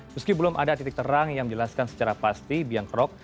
meski belum ada titik terang yang menjelaskan secara pasti biang kerok